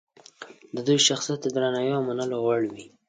د دوی شخصیت د درناوي او منلو وړ وي.